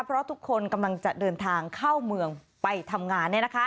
เพราะทุกคนกำลังจะเดินทางเข้าเมืองไปทำงาน